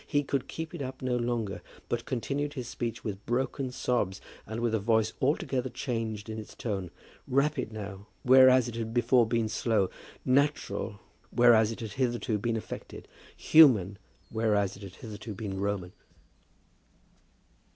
He could keep it up no longer, but continued his speech with broken sobs, and with a voice altogether changed in its tone, rapid now, whereas it had before been slow, natural, whereas it had hitherto been affected, human, whereas it had hitherto been Roman.